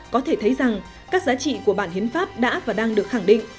có thể thấy rằng các giá trị của bản hiến pháp đã và đang được khẳng định